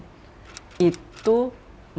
itu maksimum satu kali